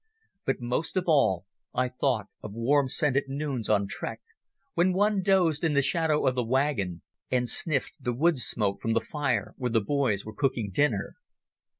But most of all I thought of warm scented noons on trek, when one dozed in the shadow of the wagon and sniffed the wood smoke from the fire where the boys were cooking dinner.